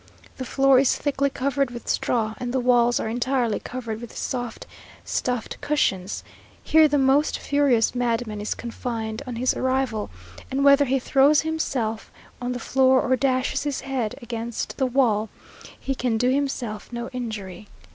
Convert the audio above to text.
The floor is thickly covered with straw, and the walls are entirely covered with soft stuffed cushions. Here the most furious madman is confined on his arrival, and whether he throws himself on the floor, or dashes his head against the wall, he can do himself no injury.